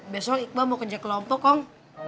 besok iqbal mau kerja kelompok kang